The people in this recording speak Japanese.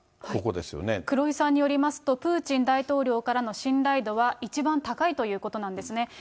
黒井さんによりますと、プーチン大統領からの信頼度は一番高いということなんですね。